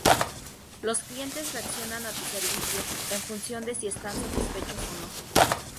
Los clientes reaccionan a tus servicios, en función de si están satisfechos o no.